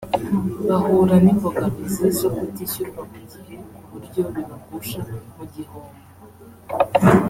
bahura n’imbogamizi zo kutishyurwa ku gihe ku buryo bibagusha mu gihombo